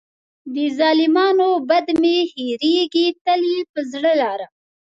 د ظالمانو بد مې نه هېرېږي، تل یې په زړه لرم.